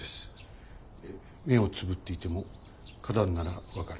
目をつぶっていても花壇なら分かる。